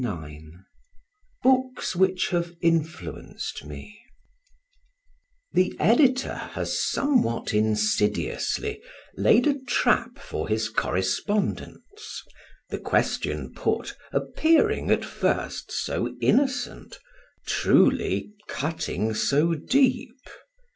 VIII BOOKS WHICH HAVE INFLUENCED ME The Editor has somewhat insidiously laid a trap for his correspondents, the question put appearing at first so innocent, truly cutting so deep.